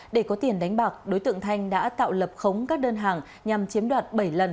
để có tiền đánh bạc đối tượng thanh đã tạo lập khống các đơn hàng nhằm chiếm đoạt bảy lần